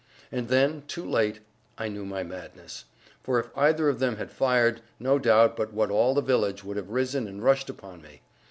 And then, too late, I knew my madness: for if either of them had fired, no doubt but what all the village would have risen and rushed upon me.